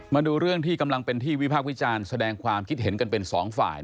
มาดูเรื่องที่กำลังเป็นที่วิพากษ์วิจารณ์แสดงความคิดเห็นกันเป็นสองฝ่าย